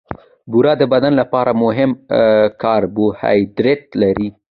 بوره د بدن لپاره مهم کاربوهایډریټ لري.